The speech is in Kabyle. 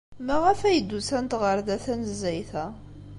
Maɣef ay d-usant ɣer da tanezzayt-a?